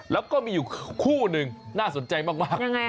แล้วก็มีอยู่คู่หนึ่งน่าสนใจมาก